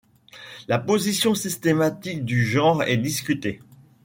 La position systématique du genre est discutée.